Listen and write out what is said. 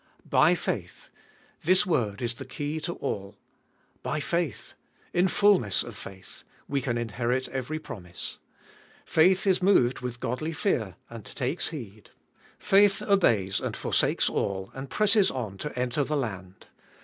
By faith! This word is the key to all. By faith! in fulness of faith ! we can inherit every promise. Faith is moved with godly fear, and takes heed ! Faith obeys and forsakes all, and presses on to enter the land